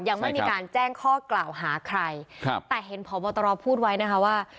ยังไม่มีการแจ้งข้อกล่าวหาใครครับแต่เห็นพบตรพูดไว้นะคะว่า